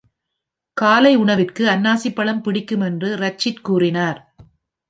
காலை உணவிற்கு அன்னாசி பழம் பிடிக்கும் என்று ரச்சிட் கூறினார்.